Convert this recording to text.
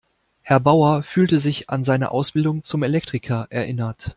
Herr Bauer fühlte sich an seine Ausbildung zum Elektriker erinnert.